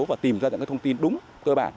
và tìm ra những thông tin đúng cơ bản